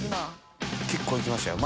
結構行きましたよ